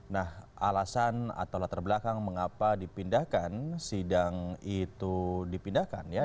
nah alasan atau latar belakang mengapa dipindahkan sidang itu dipindahkan ya